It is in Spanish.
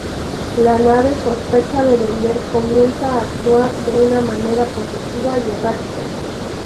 La nave, sospecha de Bender, comienza a actuar de una manera posesiva y errática.